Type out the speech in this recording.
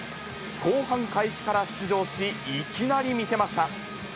後半開始から出場し、いきなり見せました。